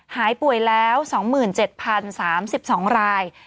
หายป่วยแล้ว๒๗๐๓๒ราย